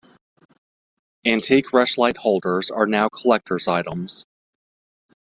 Antique rushlight holders are now collectors' items.